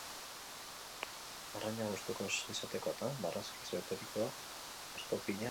Arraina gustuko ez izatekotan, barazkiz beteriko hostopila egin daiteke.